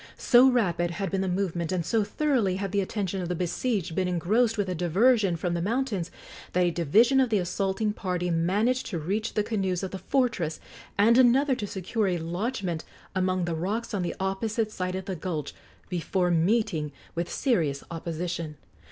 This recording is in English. So rapid had been the movement, and so thoroughly had the attention of the besieged been engrossed with the diversion from the mountains, that a division of the assaulting party managed to reach the canoes of the fortress, and another to secure a lodgment among the rocks on the opposite side of the gulch, before meeting with serious opposition.